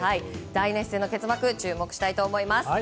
大熱戦の結末注目したいと思います。